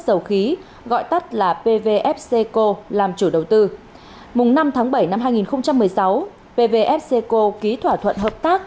dầu khí gọi tắt là pvfc co làm chủ đầu tư mùng năm tháng bảy năm hai nghìn một mươi sáu pvfc co ký thỏa thuận hợp tác